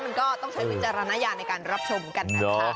มันก็ต้องใช้วิจารณญาณในการรับชมกันนะคะ